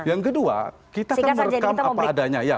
yang kedua kita kan merekam apa adanya ya